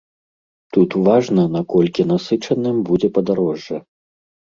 Тут важна, наколькі насычаным будзе падарожжа.